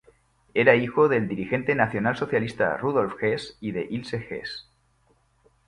Era hijo del dirigente nacionalsocialista Rudolf Hess y de Ilse Hess.